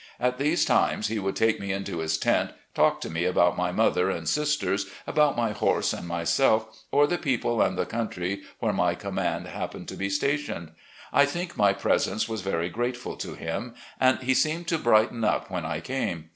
At these times, he would take me into his tent, talk to me about my mother and sisters, about my horse and myself, or the people and the coxmtry where my command happened to be stationed. I think my presence was very grateful to him, and he seemed to brighten up when I came.